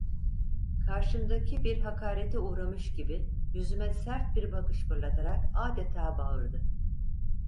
Karşımdaki, bir hakarete uğramış gibi yüzüme sert bir bakış fırlatarak adeta bağırdı: